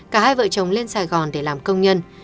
cả hai vợ chồng lên sài gòn để làm công nhân